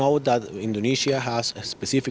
jadi kita tahu bahwa indonesia memiliki kebutuhan spesifik